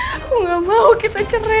aku gak mau kita cerai